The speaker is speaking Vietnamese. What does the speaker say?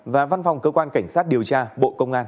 và văn phòng cơ quan cảnh sát điều tra bộ công an